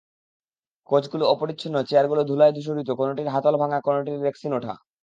কোচগুলো অপরিচ্ছন্ন, চেয়ারগুলো ধুলায় ধূসরিত, কোনোটির হাতল ভাঙা, কোনোটির রেকসিন ওঠা।